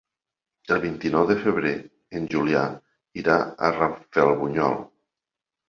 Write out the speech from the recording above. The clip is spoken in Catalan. El vint-i-nou de febrer en Julià irà a Rafelbunyol.